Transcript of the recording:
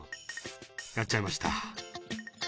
「やっちゃいました」